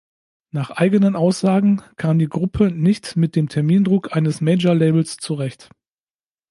Nach eigenen Aussagen kam die Gruppe nicht mit dem Termindruck eines Majorlabels zurecht.